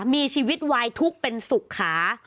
มีชีวิตวายทุกข์เป็นสุขา